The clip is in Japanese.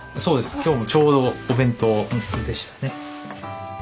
今日もちょうどお弁当でしたね。